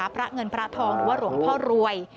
พระเงินพระทองหรือว่าหลวงพ่อรวย